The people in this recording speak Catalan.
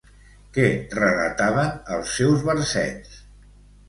Què relataven els seus versets?